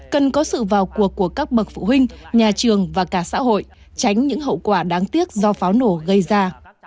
cần có sự vào cuộc của các bậc phụ huynh nhà trường và cả xã hội tránh những hậu quả đáng tiếc do pháo nổ gây ra